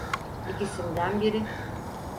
İkisinden biri.